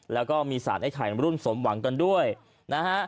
แล้วก็มีสารไอ้ไข่รุ่นสมหวังกันด้วยนะฮะ